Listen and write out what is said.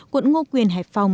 quận ngô quyền hải phòng